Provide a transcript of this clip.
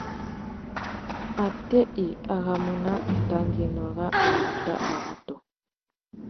Atê i aramú nà dangüiénô râ umbuta râ watu?